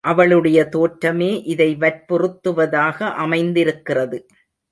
அவளுடைய தோற்றமே இதை வற்புறுத்துவதாக அமைந்திருக்கிறது.